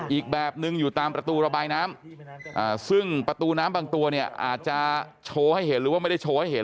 อีกแบบนึงอยู่ตามประตูระบายน้ำซึ่งประตูน้ำบางตัวเนี่ยอาจจะโชว์ให้เห็นหรือว่าไม่ได้โชว์ให้เห็น